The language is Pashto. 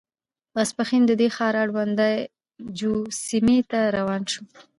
ماسپښین د دې ښار اړوند د اي جو سیمې ته روان شوو.